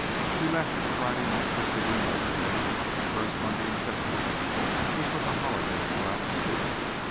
He left the Friday night preceding Labor Day, the first Monday in September, which was a holiday throughout the city.